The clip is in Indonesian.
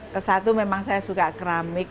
ke satu memang saya suka keramik